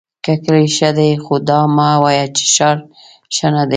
که کلی ښۀ دی خو دا مه وایه چې ښار ښۀ ندی!